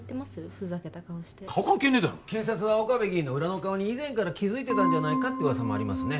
ふざけた顔して顔関係ねえだろ検察は岡部議員の裏の顔に以前から気づいてたんじゃないかって噂もありますね